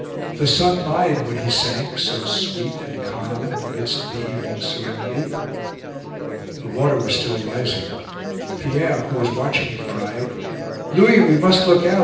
The sun lied when he sank, so sweet and calm, in the midst of the evening's serenity. The water was still rising. Pierre, who was watching it, cried: "Louis, we must look out!